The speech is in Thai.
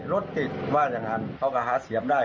รถติดว่าอย่างนั้นเขาก็หาเสียงได้